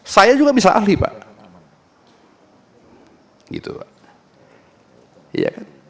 saya juga bisa ahli pak